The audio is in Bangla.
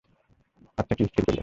আচ্ছা, কি স্থির করলে?